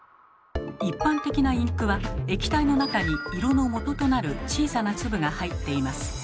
一般的なインクは液体の中に色のもととなる小さな粒が入っています。